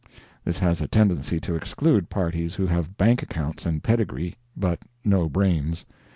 This has a tendency to exclude parties who have bank accounts and pedigree, but no brains.